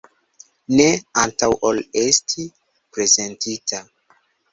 Ne antaŭ ol esti prezentita.